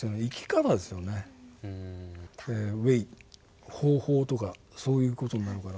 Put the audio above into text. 「ＷＡＹ」方法とかそういう事になるから。